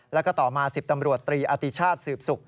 แล้วก็ต่อมา๑๐ตำรวจตรีอติชาติสืบศุกร์